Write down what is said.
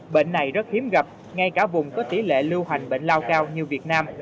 bệnh này rất hiếm gặp ngay cả vùng có tỷ lệ lưu hành bệnh lao cao như việt nam